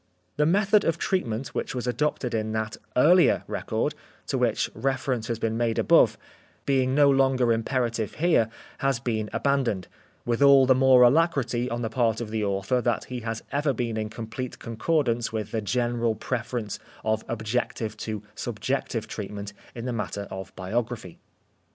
The method of treatment which was adopted in that earlier record, to which reference has been made above, being no longer xi Preface imperative here, has been abandoned, with all the more alacrity on the part of the author that he has ever been in complete concordance with the general preference of objective to subjective treatment in the matter of biography.